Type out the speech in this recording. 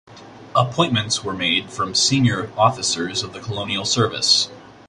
Appointments were made from senior officers of the Colonial Service.